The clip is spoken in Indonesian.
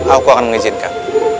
aku akan mengizinkan